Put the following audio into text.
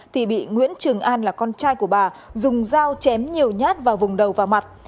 thì bị nguyễn trường an là con trai của bà dùng dao chém nhiều nhát vào vùng đầu và mặt